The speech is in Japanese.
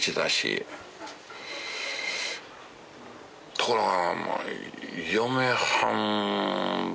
ところが。